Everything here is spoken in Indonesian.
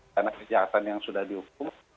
karena kejahatan yang sudah dihukum